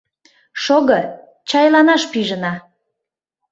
Шого, чайланаш пижына...